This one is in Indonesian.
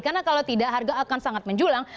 karena kalau tidak harga akan sangat menjulang